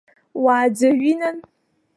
Уааӡырҩи, нан.